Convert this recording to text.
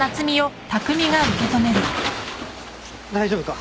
大丈夫か？